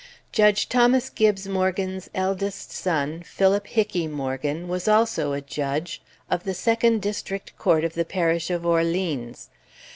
Judge Thomas Gibbes Morgan's eldest son, Philip Hickey Morgan, was also a Judge, of the Second District Court of the Parish of Orleans.